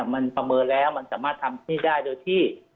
มันประเมินแล้วมันสามารถทำที่ได้โดยที่